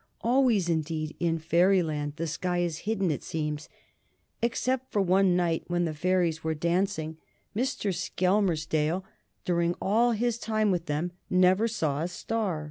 Always, indeed, in Fairyland the sky is hidden, it seems. Except for one night when the fairies were dancing, Mr. Skelmersdale, during all his time with them, never saw a star.